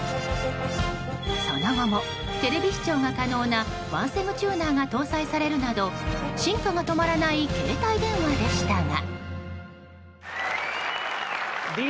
その後もテレビ視聴が可能なワンセグチューナーが搭載されるなど進化が止まらない携帯電話でしたが。